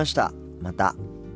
また。